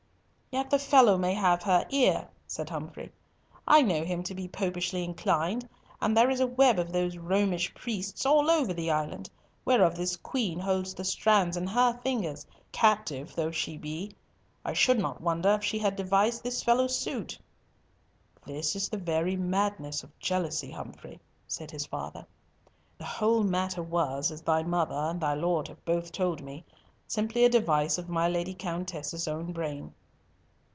"Yet the fellow may have her ear," said Humfrey. "I know him to be popishly inclined, and there is a web of those Romish priests all over the island, whereof this Queen holds the strands in her fingers, captive though she be. I should not wonder if she had devised this fellow's suit." "This is the very madness of jealousy, Humfrey," said his father. "The whole matter was, as thy mother and thy Lord have both told me, simply a device of my Lady Countess's own brain."